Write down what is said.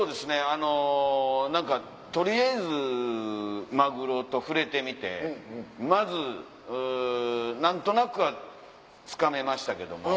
あの何か取りあえずマグロと触れてみてまず何となくはつかめましたけども。